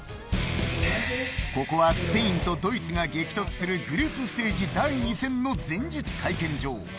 ここはスペインとドイツが激突するグループステージ第２戦の前日会見場